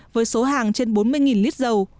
với số hàng trên bốn mươi lít dầu